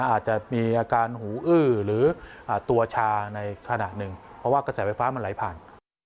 อาจจะมีอาการหูอื้อหรือตัวชาในขณะหนึ่งเพราะว่ากระแสไฟฟ้ามันไหลผ่าน